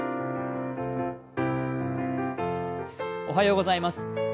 おはようございます。